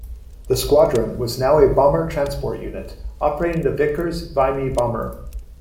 The squadron was now a bomber-transport unit operating the Vickers Vimy bomber.